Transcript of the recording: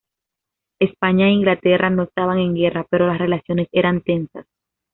España e Inglaterra no estaban en guerra, pero las relaciones eran tensas.